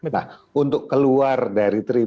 nah untuk keluar dari tiga